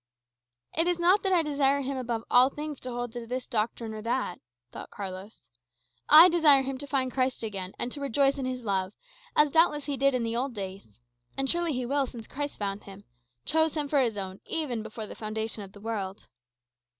"It is not that I desire him above all things to hold this doctrine or that," thought Carlos; "I desire him to find Christ again, and to rejoice in his love, as doubtless he did in the old days. And surely he will, since Christ found him chose him for his own even before the foundation of the world."